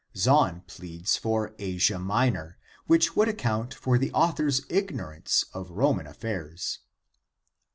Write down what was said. Zahn pleads for Asia Minor, which would account for the author's ignor ance of Roman affairs.